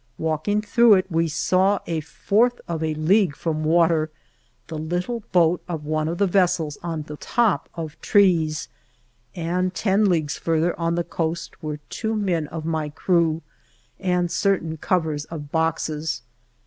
Walking through it we saw, a fourth of a league from water, the little boat of one of the vessels on the top of trees, and ten leagues further, on the coast, were two men of my crew and certain covers of boxes.